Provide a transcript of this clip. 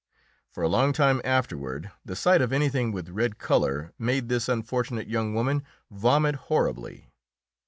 For a long time afterward the sight of anything with red colour made this unfortunate young woman vomit horribly.